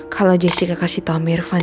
kalau jessica kasih tau om irfan